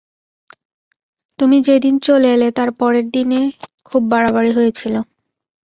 তুমি যেদিন চলে এলে তার পরের দিনে খুব বাড়াবাড়ি হয়েছিল।